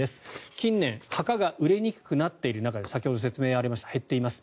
近年墓が売れにくくなっている中で先ほど説明ありました減っています。